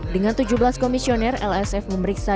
dengan tujuh belas komisioner lsf memeriksa